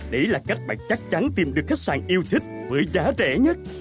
đấy là cách bạn chắc chắn tìm được khách sạn yêu thích với giá rẻ nhất